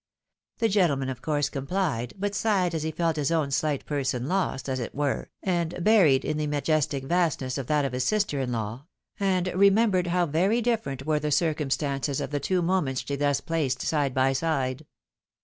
" The gentleman of course complied ; but sighed as 182 THE ■WTDOW MARRIED. he felt lis own slight person lost, as it were, and buried in the majestic vastness of that of his sister in law, and remembered how very diflferent were the circumstances of the two moments she thus placed side by side.